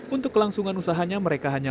untuk kelangsungan usahanya mereka hanya